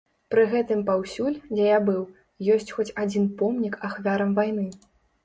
Пры гэтым паўсюль, дзе я быў, ёсць хоць адзін помнік ахвярам вайны.